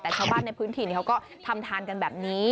แต่ชาวบ้านในพื้นที่เขาก็ทำทานกันแบบนี้